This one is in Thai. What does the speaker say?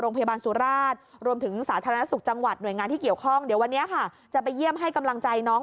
มันซึมมันผุดออกมาจากมือจริง